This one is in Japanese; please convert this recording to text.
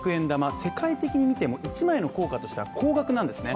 世界的に見ても、１枚の硬貨としては高額なんですね。